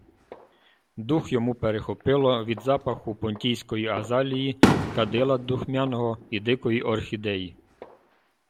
Дух йому перехопило від запаху понтійської азалії, кадила духмяного і дикої орхідеї...